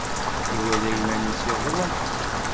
Iwala iman-is yeḍlem.